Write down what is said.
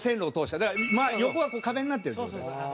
だから横が壁になってる状態ですね。